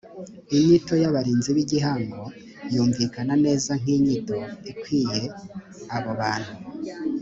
inyito y abarinzi b igihango yumvikana neza nk inyito ikwiye abo bantu